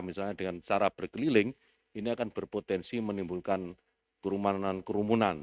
misalnya dengan cara berkeliling ini akan berpotensi menimbulkan kerumunan kerumunan